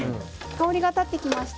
香りが立ってきました。